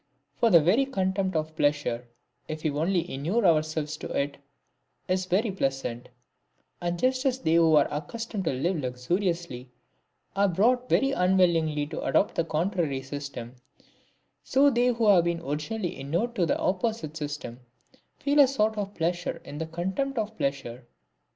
For the very contempt of pleasure, if we only inure ourselves to it, is very pleasant; and just as they who are accustomed to live luxuriously, are brought very unwillingly to adopt the contrary system ; so they who have been originally inured to that opposite system, feel a sort of pleasure in the contempt of pleasure.